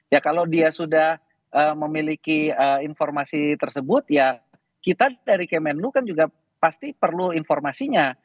ya kalau dia sudah memiliki informasi tersebut ya kita dari kemenlu kan juga pasti perlu informasinya